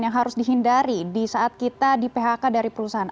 yang harus dihindari di saat kita di phk dari perusahaan